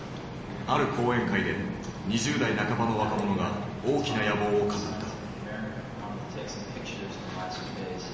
ある講演会で２０代半ばの若者が大きな野望を語った。